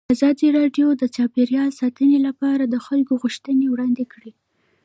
ازادي راډیو د چاپیریال ساتنه لپاره د خلکو غوښتنې وړاندې کړي.